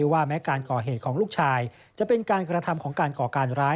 ว่าแม้การก่อเหตุของลูกชายจะเป็นการกระทำของการก่อการร้าย